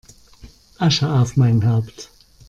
Asche auf mein Haupt!